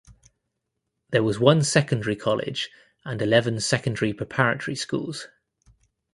There was one secondary college and eleven secondary preparatory schools.